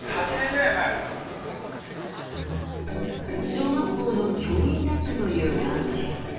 小学校の教員だったという男性。